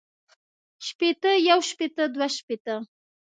شپېتۀ يو شپېته دوه شپېته